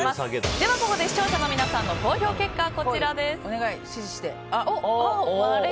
ではここで視聴者の皆さんの投票結果です。